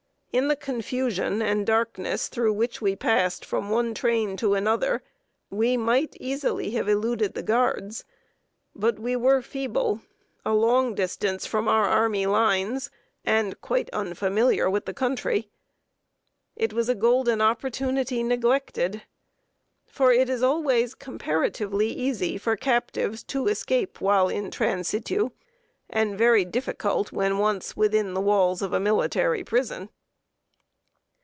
In the confusion and darkness through which we passed from one train to another, we might easily have eluded the guards; but we were feeble, a long distance from our army lines, and quite unfamiliar with the country. It was a golden opportunity neglected; for it is always comparatively easy for captives to escape while in transitu, and very difficult when once within the walls of a military prison.